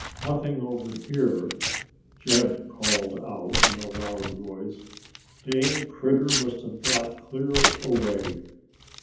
"Nothing over here!" Jeb called out in a loud voice. "Dang critter must have got clear away."